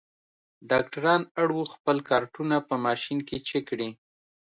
ډاکټران اړ وو خپل کارټونه په ماشین کې چک کړي.